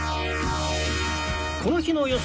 この日の予想